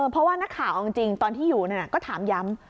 เพราะว่านักข่าวเอาจริงตอนที่อยู่ก็ถามย้ำ